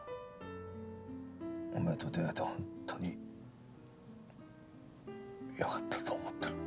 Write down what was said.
お前と出会えて本当によかったと思ってる。